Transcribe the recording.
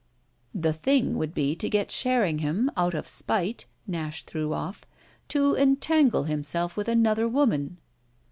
"The thing would be to get Sherringham, out of spite," Nash threw off, "to entangle himself with another woman."